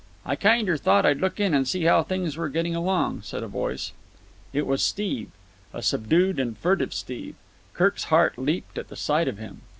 "I kinder thought I'd look in and see how things were getting along," said a voice. It was Steve. A subdued and furtive Steve. Kirk's heart leaped at the sight of him.